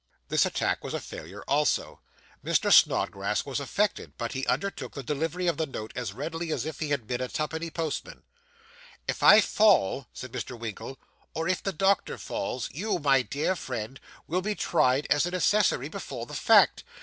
This attack was a failure also. Mr. Snodgrass was affected, but he undertook the delivery of the note as readily as if he had been a twopenny postman. 'If I fall,' said Mr. Winkle, 'or if the doctor falls, you, my dear friend, will be tried as an accessory before the fact.